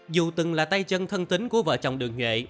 dù từng là tay chân thân tính của vợ chồng đường nhuệ